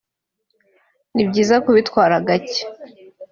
ni byiza kubitwara gake